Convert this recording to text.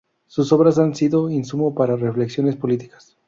Su obras han sido insumo para reflexiones políticas.